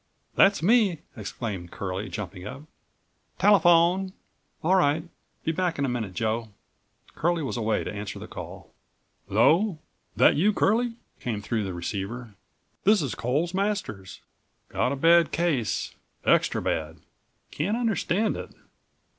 "That's me," exclaimed Curlie, jumping up. "Telephone." "All right. Be back in a minute, Joe." Curlie was away to answer the call. "'Lo. That you, Curlie?" came through the receiver. "This is Coles Masters. Got a bad23 case—extra bad. Can't understand it.